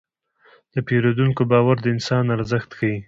د پیرودونکي باور د انسان ارزښت ښيي.